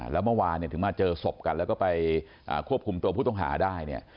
แล้วเมื่อวานถึงมาเจอศพกันแล้วก็ไปควบคุมตัวผู้ต้องหาได้เนี่ย